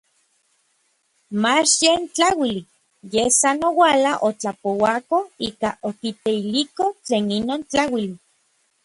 Mach yen tlauili, yej san oualaj otlapouako ika okiteiliko tlen inon tlauili.